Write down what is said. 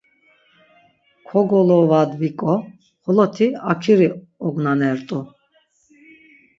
Kogolovadviǩo xoloti akiri ognanert̆u.